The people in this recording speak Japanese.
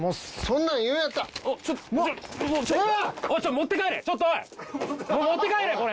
持って帰れ！